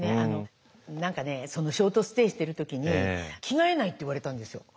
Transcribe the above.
何かねショートステイしてる時に「着替えない」って言われたんですよ。